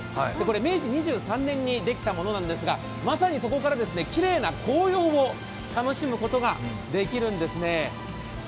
明治２４年にできたものなんですが、まさにそこからきれいな紅葉を楽しむことができるんですね。